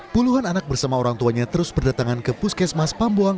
puluhan anak bersama orang tuanya terus berdatangan ke puskesmas pambuang